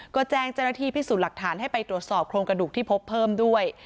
ก็แจ้งเจ้าหน้าที่พิสูจน์หลักฐานให้ไปตรวจสอบโครงกระดูกที่พบเพิ่มด้วย